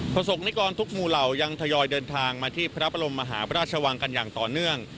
สกนิกรทุกหมู่เหล่ายังทยอยเดินทางมาที่พระบรมมหาพระราชวังกันอย่างต่อเนื่อง